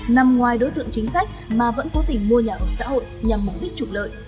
nằm ngoài đối tượng chính sách mà vẫn cố tình mua nhà ở xã hội nhằm mục đích trục lợi